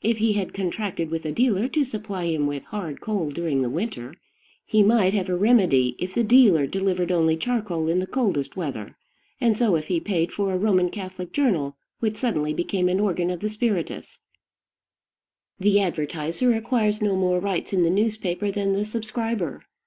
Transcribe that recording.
If he had contracted with a dealer to supply him with hard coal during the winter, he might have a remedy if the dealer delivered only charcoal in the coldest weather; and so if he paid for a Roman Catholic journal which suddenly became an organ of the spiritists. The advertiser acquires no more rights in the newspaper than the subscriber.